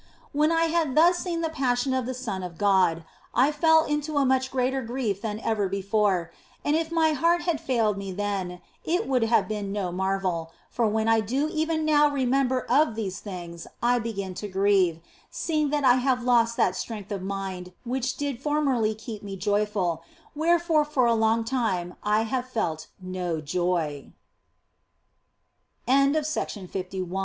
When I had thus seen the Passion of the Son of God, I fell into a much greater grief than ever before, and if my heart had failed me then it would have been no marvel, for when I do even now remember me of these things I begin to grieve, seeing that I have lost that strength of mind which did formerly keep me joyful, wherefore for a